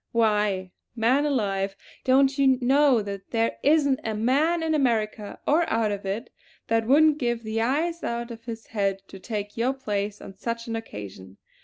Why, man alive, don't you know that there isn't a man in America, or out of it, that wouldn't give the eyes out of his head to take your place on such an occasion.